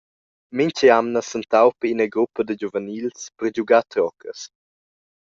Mintga jamna s’entaupa in gruppa da giuvenils per giugar troccas.